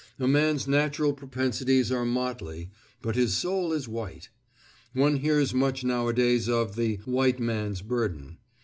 A man's natural propensities are motley, but his soul is white. One hears much nowadays of the "white man's burden."